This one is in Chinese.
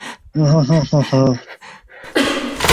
格里普和费尔罗还发现了他们理论中的其他问题。